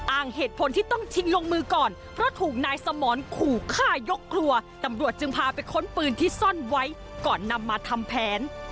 เหตุผลที่ต้องชิงลงมือก่อนเพราะถูกนายสมรขู่ฆ่ายกครัวตำรวจจึงพาไปค้นปืนที่ซ่อนไว้ก่อนนำมาทำแผน